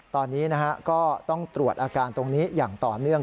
ตอนนี้ก็ต้องตรวจอาการตรงนี้อย่างต่อเนื่อง